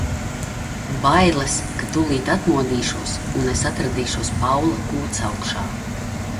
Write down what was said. Bailes, ka tūlīt atmodīšos un es atradīšos Paula kūtsaugšā.